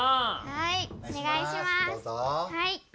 はい。